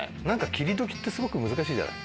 切り時ってすごく難しいじゃない。